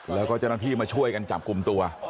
แล้วก็จะนอนพี่มาช่วยกันจับกลุ่มตัว